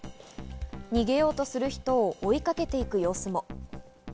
逃げようとする人を追いかけていく様子も。